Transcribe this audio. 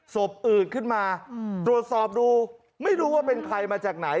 อืดขึ้นมาตรวจสอบดูไม่รู้ว่าเป็นใครมาจากไหน